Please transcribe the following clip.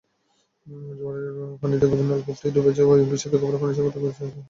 জোয়ারের পানিতে গভীর নলকূপটি ডুবে যাওয়ায় বিশুদ্ধ খাবার পানির সংকট দেখা দিয়েছিল।